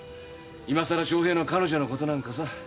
今さら翔平の彼女の事なんかさ。